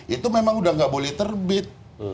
itu memang udah nggak boleh terbit